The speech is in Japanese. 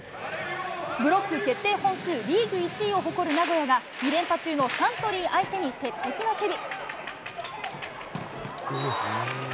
ブロック決定本数リーグ１位を誇る名古屋が、２連覇中のサントリー相手に鉄壁の守備。